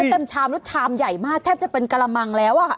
เต็มชามแล้วชามใหญ่มากแทบจะเป็นกระมังแล้ว